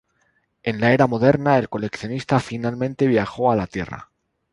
En la era moderna, el Coleccionista finalmente viajó a la Tierra.